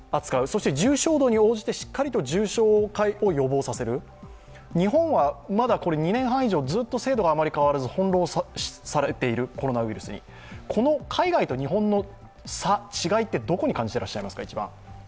そして重症度に応じてしっかりと重症化を予防させる、日本はまだ２年半以上ずっと制度が変わらず、コロナウイルスに翻弄されている、この海外と日本の差、違いは一番どこに感じてますか？